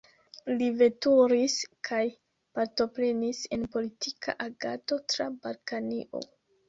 Li veturis kaj partoprenis en politika agado tra Balkanio.